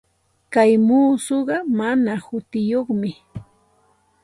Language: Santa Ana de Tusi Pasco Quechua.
Kay muusuqa mana hutiyuqmi.